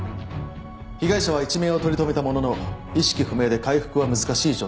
被害者は一命を取り留めたものの意識不明で回復は難しい状態です。